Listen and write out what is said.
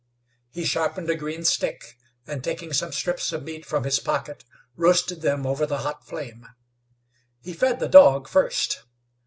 He sharpened a green stick, and, taking some strips of meat from his pocket, roasted them over the hot flame. He fed the dog first.